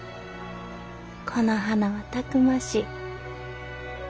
この花はたくましい。